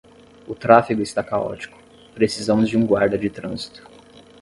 O tráfego está caótico, precisamos de um guarda de trânsito